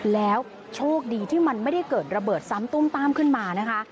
แล้วโชคดีที่มันไม่ได้เกิดระเบิดซ้ำตุ้มต้ามขึ้นมานะคะ